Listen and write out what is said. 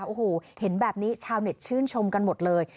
โอ้โหเห็นแบบนี้ชาวเน็ตชื่นชมกันหมดเลย